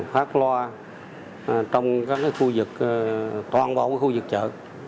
phát loa trong các khu vực toàn bộ khu vực chợ